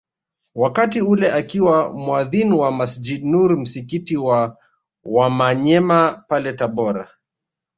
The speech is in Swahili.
Wakati ule akiwa muadhin wa Masjid Nur msikiti wa Wamanyema pale Tabora